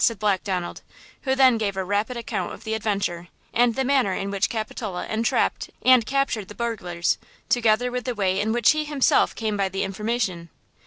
said Black Donald, who then gave a rapid account of the adventure, and the manner in which Capitola entrapped and captured the burglars, together with the way in which he himself came by the information.